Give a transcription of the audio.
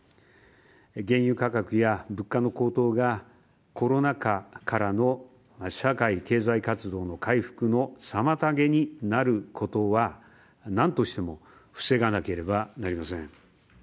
原油価格や物価の高騰がコロナ禍からの社会経済活動の回復の妨げになることは何としても防がなければなりません。